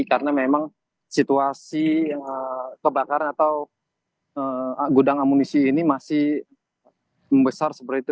karena memang situasi kebakaran atau gudang amunisi ini masih besar seperti itu